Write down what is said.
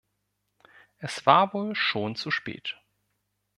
Es war wohl schon zu spät.